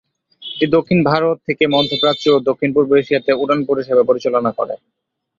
এটি দক্ষিণ ভারত থেকে মধ্যপ্রাচ্য ও দক্ষিণ-পূর্ব এশিয়াতে উড়ান পরিষেবা পরিচালনা করে।